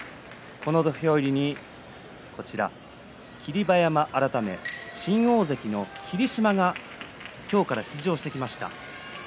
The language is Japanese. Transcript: この土俵入りに霧馬山改め新大関の霧島が今日から出場してきました。